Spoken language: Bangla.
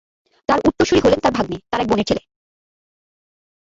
তার উত্তরসূরী হলেন তার ভাগ্নে, তার এক বোনের ছেলে।